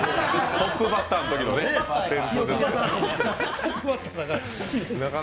トップバッターだから。